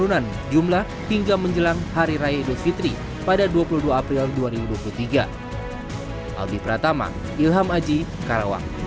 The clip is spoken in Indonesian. dan mengalami penurunan jumlah hingga menjelang hari raya idul fitri pada dua puluh dua april dua ribu dua puluh tiga